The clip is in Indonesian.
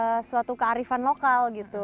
dan itu memang suatu kearifan lokal gitu